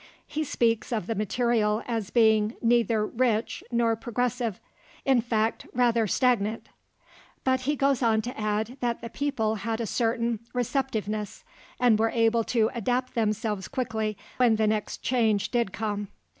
He speaks of the material as being neither rich nor progressive, in fact "rather stagnant," but he goes on to add that the people had a certain "receptiveness" and were able to adapt themselves quickly when the next change did come.